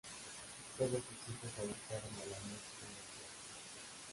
Todos sus hijos se dedicaron a la música y al teatro.